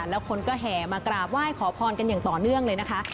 แล้วคนก็แห่มากราบไหว้ขอพรกันอย่างต่อเนื่องเลยนะคะ